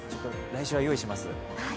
来週は用意します。